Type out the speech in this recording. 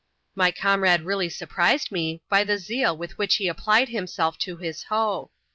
My comrade really surprised me by the zeal with which he applied himself to bis hoe.